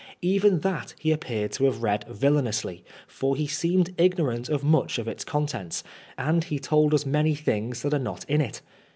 Even that he appeared to have read villainously, for he seemed ignorant of much of its contents, and he told us many things that are not in it.